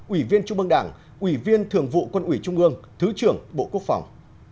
ủy viên trung ương đảng ủy viên thường vụ quân ủy trung ương thứ trưởng bộ quốc phòng